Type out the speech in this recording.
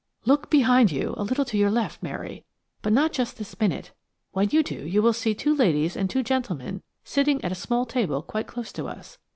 "Look behind you, a little to your left, Mary, but not just this minute. When you do you will see two ladies and two gentlemen sitting at a small table quite close to us.